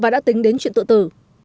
đã tính đến chuyện tự tử